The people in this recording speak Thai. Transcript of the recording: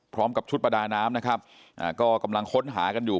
พร้อมกับชุดประดาน้ำนะครับอ่าก็กำลังค้นหากันอยู่